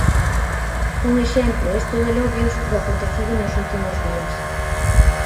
Un exemplo, este de Lobios, do acontecido nos últimos días.